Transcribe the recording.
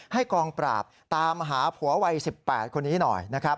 ให้กองปราบตามหาผัววัย๑๘คนนี้หน่อย